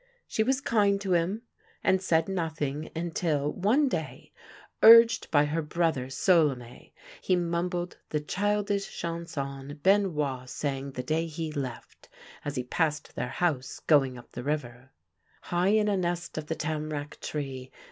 She was kind to him, and said nothing until, one day, urged by her brother Solime, he mumbled the childish chanson Benoit sang the day he left, as he passed their house going up the river —" High in a nest of the tam'rac tree.